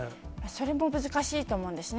それも難しいと思うんですね。